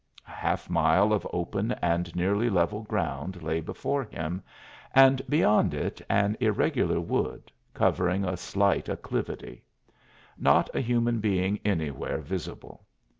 A half mile of open and nearly level ground lay before him, and beyond it an irregular wood, covering a slight acclivity; not a human being anywhere visible.